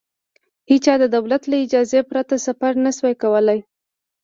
هېچا د دولت له اجازې پرته سفر نه شوای کولای.